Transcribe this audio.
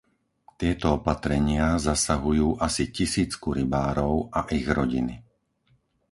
Tieto opatrenia zasahujú asi tisícku rybárov a ich rodiny.